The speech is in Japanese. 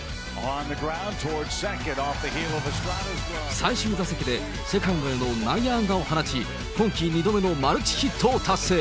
最終打席でセカンドへの内野安打を放ち、今季２度目のマルチヒットを達成。